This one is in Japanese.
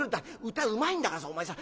歌うまいんだからさお前さ。